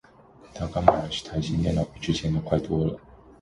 她刚买了台新电脑，比之前的快多了。